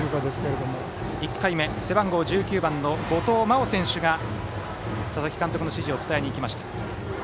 １回目、背番号１９番の五嶋真生選手が佐々木監督の指示を伝えにいきました。